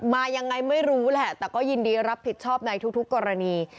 มายังไงไม่รู้แหละแต่ก็ยินดีรับผิดชอบในทุกกรณี